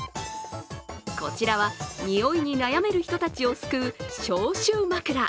こちらは臭いに悩める人たちを救う消臭枕。